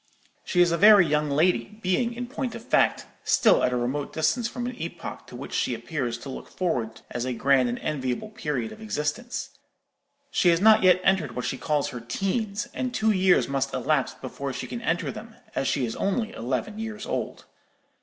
"She is a very young lady, being, in point of fact, still at a remote distance from an epoch to which she appears to look forward as a grand and enviable period of existence. She has not yet entered what she calls her 'teens,' and two years must elapse before she can enter them, as she is only eleven years old.